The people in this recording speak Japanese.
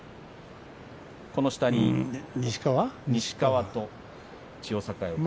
この２人に西川と、千代栄。